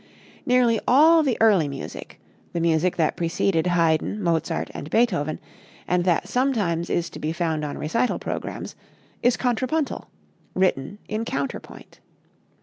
Nearly all the early music, the music that preceded Haydn, Mozart and Beethoven, and that sometimes is to be found on recital programs, is contrapuntal written in counterpoint.